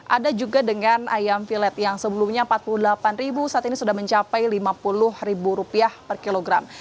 ada juga dengan ayam violet yang sebelumnya rp empat puluh delapan saat ini sudah mencapai rp lima puluh per kilogram